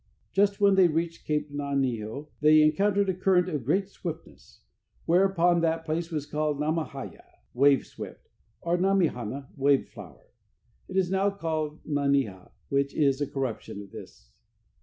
Just when they reached Cape Naniho they encountered a current of great swiftness. Whereupon that place was called Nami haya (wave swift) or Nami hana (wave flower). It is now called Naniha, which is a corruption of this.